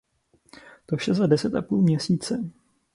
To vše za deset a půl měsíce.